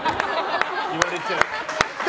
言われちゃうんだ。